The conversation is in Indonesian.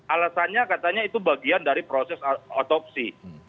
alasannya katanya itu bagian dari proses otopsi